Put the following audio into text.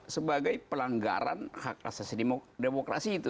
sebagai pelanggaran hak asasi demokrasi itu